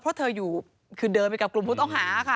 เพราะเธออยู่คือเดินไปกับกลุ่มผู้ต้องหาค่ะ